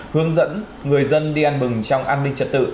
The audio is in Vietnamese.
hướng dẫn người dân đi ăn mừng trong an ninh trật tự